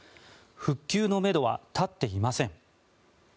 復旧のめどは立っていません。